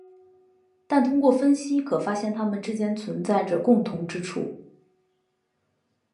但通过分析可发现它们之间存在着共同之处。